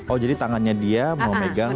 oh jadi tangannya dia mau megang ujung kakinya